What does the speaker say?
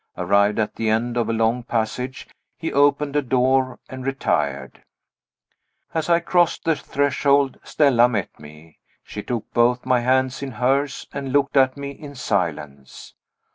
Arrived at the end of a long passage, he opened a door, and retired. As I crossed the threshold Stella met me. She took both my hands in hers and looked at me in silence.